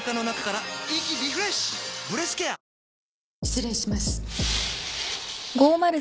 失礼します。